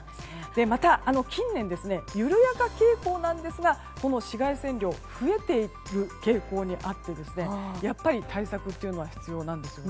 また近年、緩やか傾向ですがこの紫外線量増えている傾向にあってやっぱり対策というのは必要なんです。